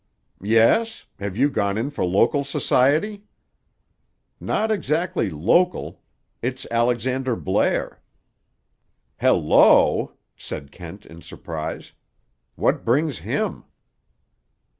"Yes? Have you gone in for local society?" "Not exactly local. It's Alexander Blair." "Hel lo!" said Kent in surprise. "What brings him?"